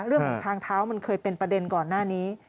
เรื่องของทางเท้ามันเคยเป็นประเด็นก่อนหน้านี้